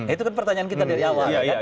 itu kan pertanyaan kita dari awal